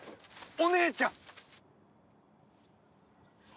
お姉ちゃん？